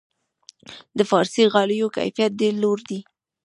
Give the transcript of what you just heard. د فارسي غالیو کیفیت ډیر لوړ دی.